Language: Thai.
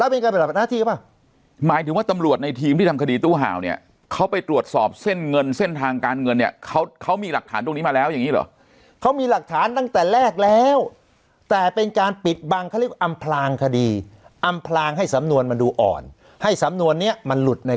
เป็นการปฏิบัติหน้าที่หรือเปล่าหมายถึงว่าตำรวจในทีมที่ทำคดีตู้เห่าเนี่ยเขาไปตรวจสอบเส้นเงินเส้นทางการเงินเนี่ยเขาเขามีหลักฐานตรงนี้มาแล้วอย่างนี้เหรอเขามีหลักฐานตั้งแต่แรกแล้วแต่เป็นการปิดบังเขาเรียกว่าอำพลางคดีอำพลางให้สำนวนมันดูอ่อนให้สำนวนเนี้ยมันหลุดใน